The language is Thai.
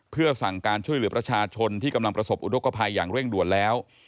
เพื่อสั่งการช่วยเหลือประชาชนที่กำลังประสบอุทธกภัยอย่างเร่งด่วนแล้ว